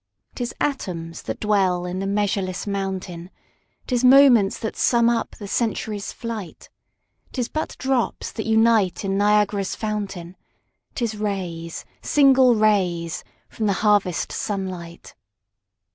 'Tis atoms that dwell in the measureless mountain, 'Tis moments that sum up the century's flight; 'Tis but drops that unite in Niagara's fountain, 'Tis rays, single rays, from the harvest sun light.